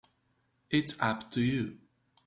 It's up to you.